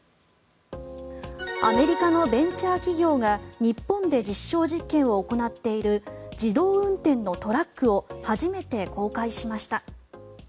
アメリカのベンチャー企業が日本で実証実験を行っている自動運転のトラックを初めて公開しました。